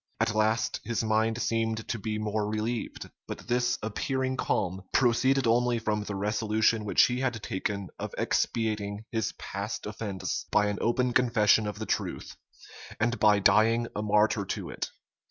At last, his mind seemed to be more relieved; but this appearing calm proceeded only from the resolution which he had taken of expiating his past offence by an open confession of the truth, and by dying a martyr to it.